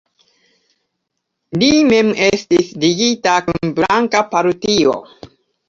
Li mem estis ligita kun blanka partio.